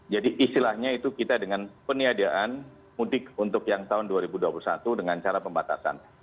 jadi istilahnya itu kita dengan peniadaan mudik untuk yang tahun dua ribu dua puluh satu dengan cara pembatasan